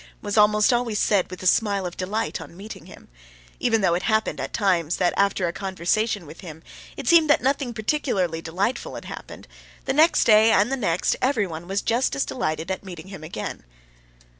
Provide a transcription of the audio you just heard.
was almost always said with a smile of delight on meeting him. Even though it happened at times that after a conversation with him it seemed that nothing particularly delightful had happened, the next day, and the next, everyone was just as delighted at meeting him again.